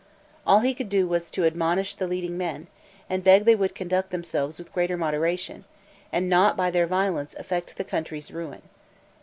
All he could do was to admonish the leading men, and beg they would conduct themselves with greater moderation, and not by their violence effect their country's ruin.